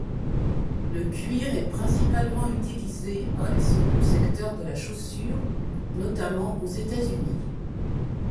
Ce cuir est principalement utilisé par le secteur de la chaussure, notamment aux États-Unis.